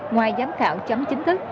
ngoài giám khảo chấm chính thức